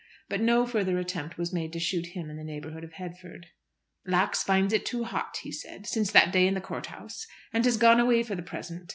But no further attempt was made to shoot him in the neighbourhood of Headford. "Lax finds it too hot," he said, "since that day in the court house, and has gone away for the present.